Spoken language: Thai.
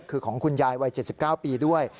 คือของคุณยายวัย๗๙ปีด้วย